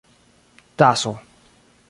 taso